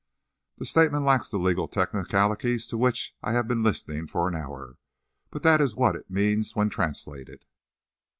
The statement lacks the legal technicalities to which I have been listening for an hour, but that is what it means when translated."